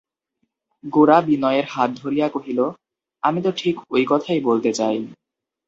গোরা বিনয়ের হাত ধরিয়া কহিল, আমি তো ঠিক ঐ কথাই বলতে চাই।